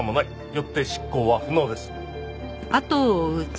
よって執行は不能です。